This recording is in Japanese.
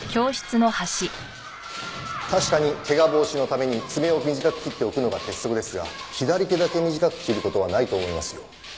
確かに怪我防止のために爪を短く切っておくのが鉄則ですが左手だけ短く切る事はないと思いますよ。